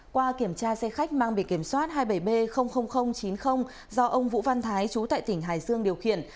qua kiểm tra xe khách mang bị kiểm soát hai mươi bảy b chín mươi do ông vũ văn thái chú tại tỉnh hải dương điều khiển